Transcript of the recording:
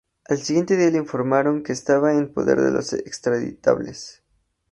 Al siguiente día le informaron que estaba en poder de Los Extraditables.